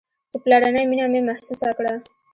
چې پلرنۍ مينه مې محسوسه کړه.